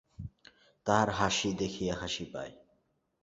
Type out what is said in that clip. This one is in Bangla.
তাহার হাসি দেখিয়া হাসি পায়!